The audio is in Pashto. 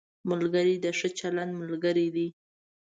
ملګری د ښه چلند ملګری دی